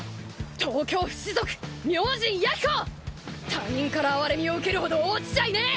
他人から哀れみを受けるほど堕ちちゃいねえ！